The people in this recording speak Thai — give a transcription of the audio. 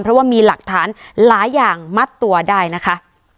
เพราะว่ามีหลักฐานหลายอย่างมัดตัวได้นะคะ